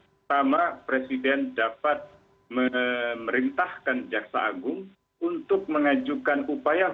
pertama presiden dapat memerintahkan jaksa agung untuk mengajukan upaya